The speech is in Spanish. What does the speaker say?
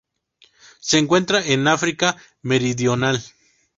Se encuentra en África meridional.